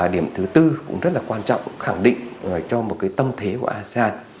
điểm thứ tư cũng rất là quan trọng khẳng định cho một tâm thế của asean